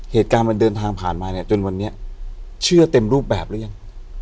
เหตุการณ์มันเดินทางผ่านมาเนี่ยจนวันนี้เชื่อเต็มรูปแบบหรือยัง